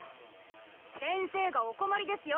先生がお困りですよ。